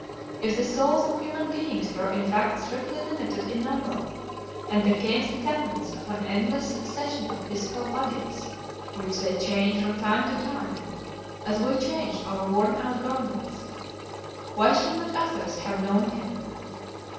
If the souls of human beings were in fact strictly limited in number, and became the tenants of an endless succession of physical bodies which they change from time to time as we change our worn out garments, why should not others have known him?